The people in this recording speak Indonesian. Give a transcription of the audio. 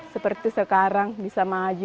seperti sekarang bisa maju